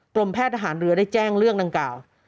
แพทย์ทหารเรือได้แจ้งเรื่องดังกล่าว